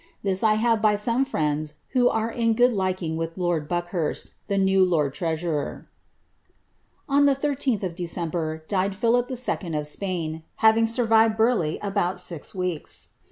This I have by some frieniis who are in good liking with lord Buckhurst, the new lord treasurer." On the 13th of December died Philip 11. of Spain, having survitnl Burleigh about six weeks.